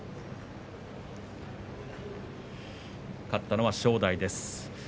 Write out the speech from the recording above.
勝ったのは正代です。